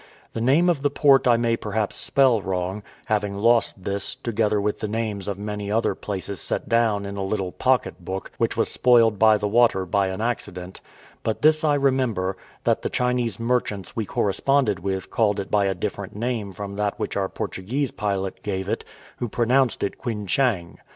The name of the port I may perhaps spell wrong, having lost this, together with the names of many other places set down in a little pocket book, which was spoiled by the water by an accident; but this I remember, that the Chinese merchants we corresponded with called it by a different name from that which our Portuguese pilot gave it, who pronounced it Quinchang.